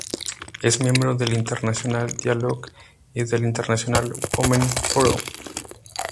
Es miembro del "International Dialogue" y del "International Women’s Forum".